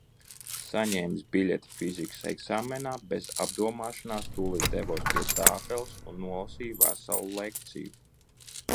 Saņēmis biļeti fizikas eksāmenā, bez apdomāšanās, tūlīt devos pie tāfeles un nolasīju veselu lekciju.